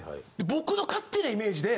僕の勝手なイメージで。